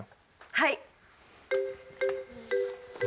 はい！